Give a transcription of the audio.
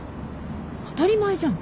当たり前じゃん。